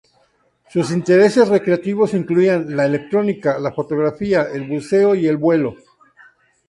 Sus intereses recreativos incluían la electrónica, la fotografía, el buceo y el vuelo.